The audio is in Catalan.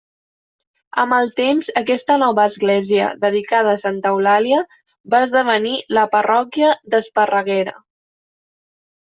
Amb el temps, aquesta nova església dedicada a Santa Eulàlia va esdevenir la parròquia d'Esparreguera.